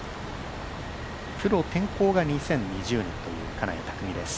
プロ転向が２０２０年という金谷拓実です。